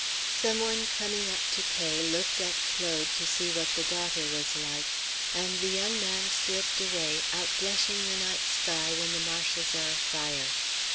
Some one coming up to pay looked at Claude to see what the daughter was like, and the young man slipped away, outblushing the night sky when the marshes are afire.